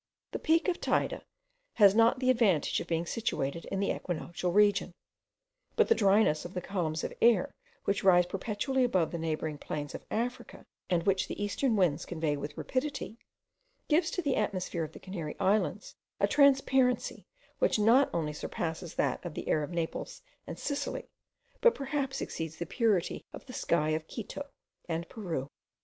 The peak of Teyde has not the advantage of being situated in the equinoctial region; but the dryness of the columns of air which rise perpetually above the neighbouring plains of Africa, and which the eastern winds convey with rapidity, gives to the atmosphere of the Canary Islands a transparency which not only surpasses that of the air of Naples and Sicily, but perhaps exceeds the purity of the sky of Quito and Peru.